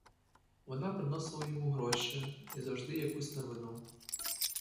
Вона приносила йому гроші й завжди якусь новину.